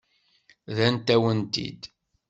Rrant-awen-t-id.